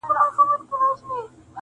ستا د مسکا په سر د شونډو د اعجازه لوږے